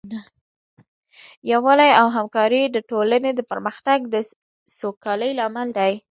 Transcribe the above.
یووالی او همکاري د ټولنې د پرمختګ او سوکالۍ لامل دی.